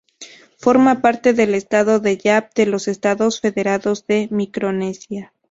Forma parte del estado de Yap, de los Estados Federados de Micronesia.